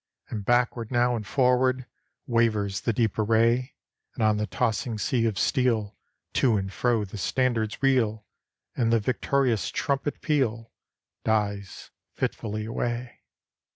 And backward now and forward Wavers the deep array; And on the tossing sea of steel. To and fro the standards reel; And the victorious trumpet peal Dies fitfully away.